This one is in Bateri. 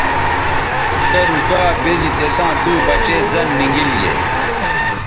کرُو گا بے زی تِساں دُو بچے زَن نی گیل گے۔